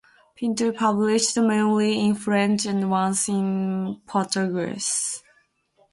Pinto published mainly in French and once in Portuguese.